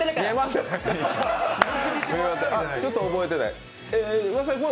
ちょっと覚えてない。